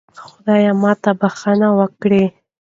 خدایا ماته بښنه وکړه